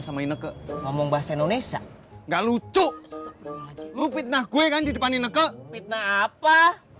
sama ineke ngomong bahasa indonesia enggak lucu lu fitnah gue kan di depan inneka fitnah apa